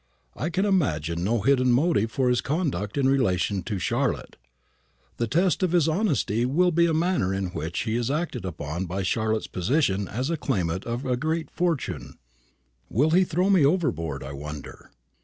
I can imagine no hidden motive for his conduct in relation to Charlotte. The test of his honesty will be the manner in which he is acted upon by Charlotte's position as claimant of a great fortune. Will he throw me overboard, I wonder?